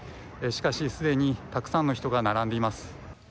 しかし、すでにたくさんの人が並んでいます。